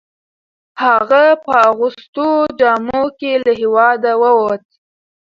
هغه په اغوستو جامو کې له هیواده وووت.